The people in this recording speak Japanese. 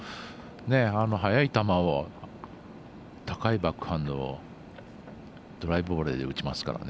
速い球を高いバックハンドドライブボレーで打ちますからね。